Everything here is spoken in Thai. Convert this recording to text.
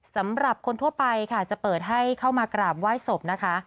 สำหรับคนทั่วไปค่ะจะเปิดให้เข้ามากราบไหว้ศพนะคะ